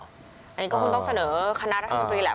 อันนี้ก็คงต้องเสนอคณะรัฐมนตรีแหละ